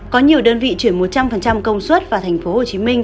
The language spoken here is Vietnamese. có nhiều đơn vị chuyển một trăm linh công suất vào tp hcm